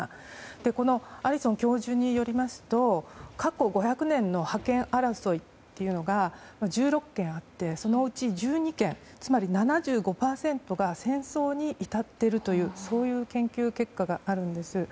このアリソン教授によりますと過去５００年の覇権争いというのが１６件あってそのうち１２件つまり７５％が戦争に至っているというそういう研究結果があるんです。